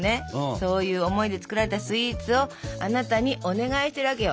そういう思いで作られたスイーツをあなたにお願いしてるわけよ。